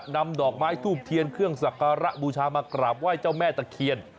นำดอกไม้ทูบเทียนเครื่องสักการะบูชามากราบไหว้เจ้าแม่ตะเคียน